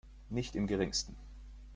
Nicht im Geringsten.